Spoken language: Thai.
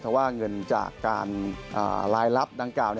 เพราะว่าเงินจากการรายลับดังกล่าว